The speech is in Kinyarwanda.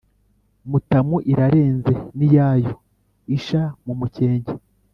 Mutamu irarenze n'iyayo-Isha mu mukenke.